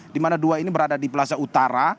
di mana dua ini berada di plaza utara